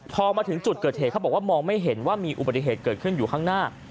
พอมาถึงจุดเกิดเหตุเขาบอกว่ามองไม่เห็นว่ามีอุบัติเหตุเกิดขึ้นอยู่ข้างหน้า